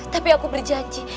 tapi aku berjanji